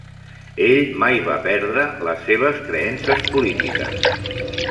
Ell mai va perdre les seves creences polítiques.